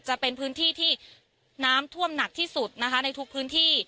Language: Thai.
จะเป็นพื้นที่ที่น้ำท่วมหนักที่สุดนะคะในทุกพื้นที่